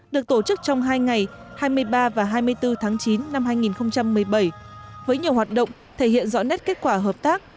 được tổ chức trong hai ngày hai mươi ba và hai mươi bốn tháng chín năm hai nghìn một mươi bảy với nhiều hoạt động thể hiện rõ nét kết quả hợp tác